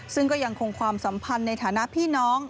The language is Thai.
ซึ่งก็ยังคงความสัมพันธ์ในฐานะพี่น้อง